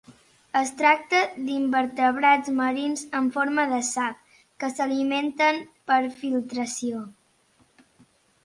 Es tracta d'invertebrats marins amb forma de sac, que s'alimenten per filtració.